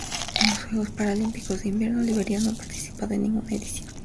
En los Juegos Paralímpicos de Invierno Liberia no ha participado en ninguna edición.